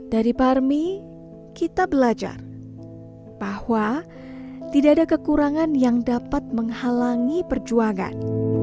dari parmi kita belajar bahwa tidak ada kekurangan yang dapat menghalangi perjuangan